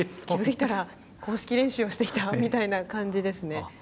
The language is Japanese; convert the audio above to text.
気付いたら公式練習をしていたみたいな感じですね。